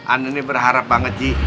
anda ini berharap banget ji